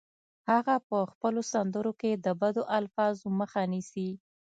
هغه په خپلو سندرو کې د بدو الفاظو مخه نیسي